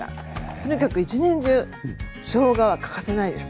とにかく一年中しょうがは欠かせないです。